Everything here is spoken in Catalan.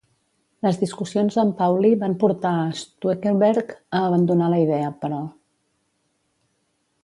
Les discussions amb Pauli van portar a Stueckelberg a abandonar la idea, però.